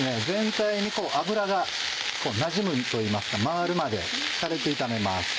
全体に油がなじむといいますか回るまで軽く炒めます。